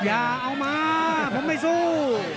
อย่าเอามาผมไม่สู้